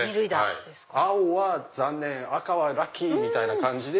青は残念赤はラッキー！みたいな感じで。